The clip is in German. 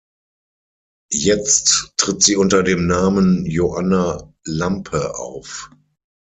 Jetzt tritt sie unter dem Namen Joanna Lampe auf.